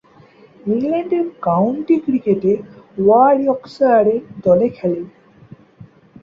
ইংল্যান্ডের কাউন্টি ক্রিকেটে ওয়ারউইকশায়ারের দলে খেলেন।